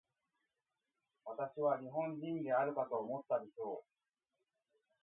私は日本人であるかと思ったでしょう。